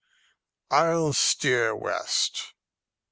"I'll steer west."